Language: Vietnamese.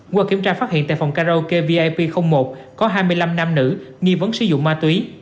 qua kiểm tra phát hiện tại phòng karaokevip một có hai mươi năm nam nữ nghi vấn sử dụng ma túy